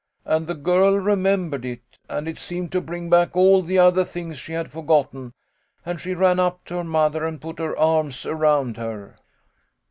And the girl remembered it, and it seemed to bring back all the other things she had forgotten, and she ran up to her mother and put her arms around her."